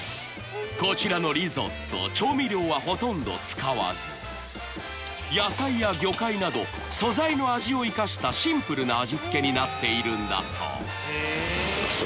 こちらのリゾット調味料はほとんど使わず野菜や魚介など素材の味を生かしたシンプルな味付けになっているんだそう